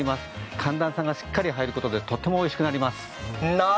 寒暖差がしっかり入ることでとてもおいしくなります。